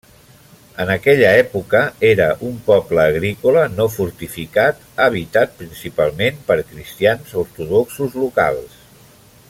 En aquella època, era un poble agrícola no fortificat habitat principalment per cristians ortodoxos locals.